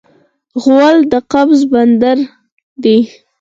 غول د قبض بندر دی.